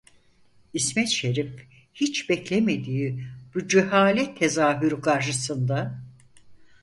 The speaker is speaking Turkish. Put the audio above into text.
İsmet Şerif hiç beklemediği bu cehalet tezahürü karşısında: